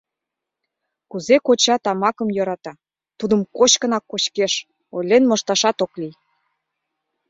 Кузе коча тамакым йӧрата, тудым кочкынак кочкеш — ойлен мошташат ок лий...